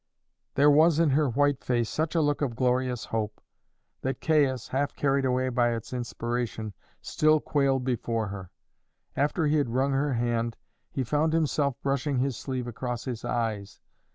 There was in her white face such a look of glorious hope, that Caius, half carried away by its inspiration, still quailed before her. After he had wrung her hand, he found himself brushing his sleeve across his eyes.